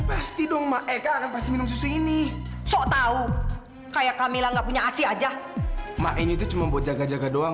pasti handul sangat varsnya kamu vaan hahaha